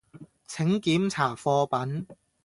請檢查貨品